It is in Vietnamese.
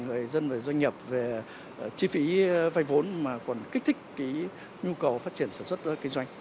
người dân và doanh nghiệp về chi phí vay vốn mà còn kích thích cái nhu cầu phát triển sản xuất kinh doanh